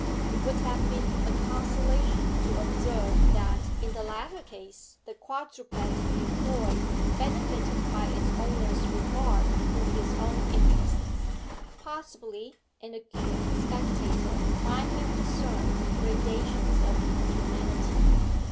It would have been a consolation to observe that in the latter case the quadruped employed benefited by its owner's regard for his own interests; possibly an acute spectator might have discerned gradations of inhumanity.